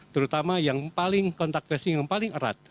terutama yang paling kontak tracing yang paling erat